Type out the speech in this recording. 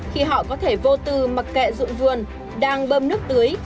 khi họ có thể vô tư mặc kệ dụng vườn đang bơm nước tưới